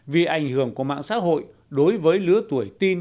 vì ảnh hưởng của mạng xã hội đối với lứa tuổi tiêu cực